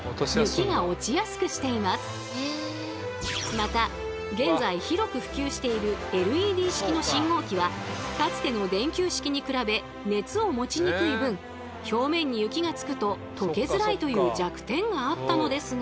また現在広く普及しているＬＥＤ式の信号機はかつての電球式に比べ熱を持ちにくい分表面に雪がつくととけづらいという弱点があったのですが。